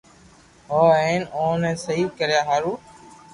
ھوئي ھين اووہ ني سھي ڪريا ھارو